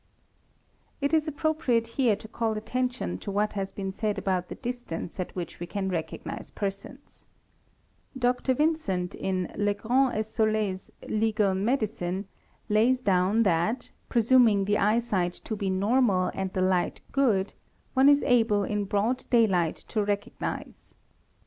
10. It is appropriate here to call attention to what has been said 'about the distance at which we can recognize persons. Dr. Vincent in Legrand &: Saule's "Tuegal Medicine" lays down that, presuming the eyesight to be normal and the light good, one is able in broad day light to recognize :—